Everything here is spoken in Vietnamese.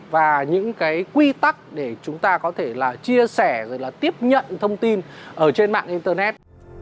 và những cái quy tắc để chúng ta có thể là chia sẻ rồi là tiếp nhận thông tin ở trên mạng internet